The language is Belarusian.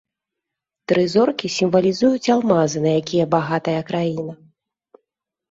Тры зоркі сімвалізуюць алмазы, на якія багатая краіна.